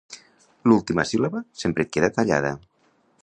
L'última síl•laba sempre et queda tallada